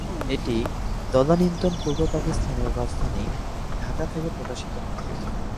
এটি তদানীন্তন পূর্ব পাকিস্তানের রাজধানী ঢাকা থেকে প্রকাশিত হতো।